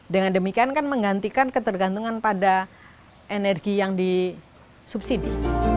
dengan demikian kan menggantikan ketergantungan pada energi yang disubsidi